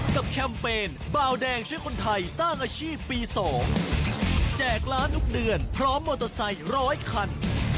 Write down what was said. แคมเปญเบาแดงช่วยคนไทยสร้างอาชีพปี๒แจกร้านทุกเดือนพร้อมมอเตอร์ไซค์ร้อยคัน